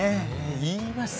言います。